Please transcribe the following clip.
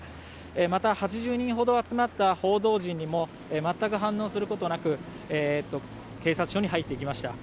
また８０人ほど集まった報道陣にも全く反応することなく警察署に入っていきました。